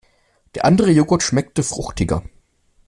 Der andere Joghurt schmeckte fruchtiger.